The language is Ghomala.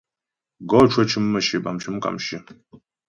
Gɔ cwə cʉm mə̌shyə bâm mcʉm kàmshyə.